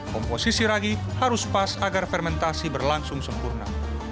komposisi ragi harus pas agar fermentasi berlangsung sempurna